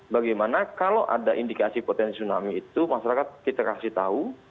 bagaimana kalau ada indikasi potensi tsunami itu masyarakat kita kasih tahu